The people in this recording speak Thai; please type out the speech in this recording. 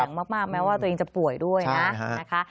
เข้มแข็งมากแม้ว่าตัวเองจะป่วยด้วยนะคะ